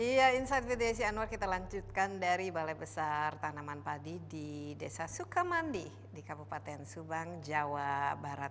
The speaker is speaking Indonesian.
iya insight with desi anwar kita lanjutkan dari balai besar tanaman padi di desa sukamandi di kabupaten subang jawa barat